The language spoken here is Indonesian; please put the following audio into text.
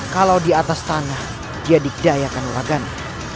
kalau di atas tanah dia dikdayakan warganet